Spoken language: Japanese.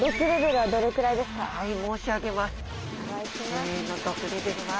はい申し上げます。